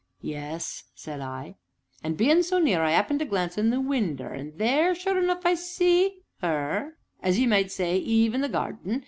"Yes?" said I. "And, bein' so near, I 'appened to glance in at the winder, and there, sure enough, I see 'er as you might say, Eve in the gardin.